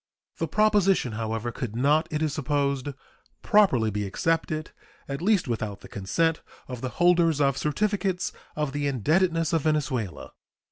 The proposition, however, could not, it is supposed, properly be accepted, at least without the consent of the holders of certificates of the indebtedness of Venezuela.